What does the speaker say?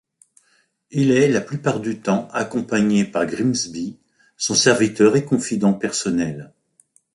Il est, la plupart du temps, accompagné par Grimsby, son serviteur et confident personnel.